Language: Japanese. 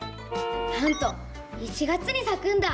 なんと１月にさくんだ。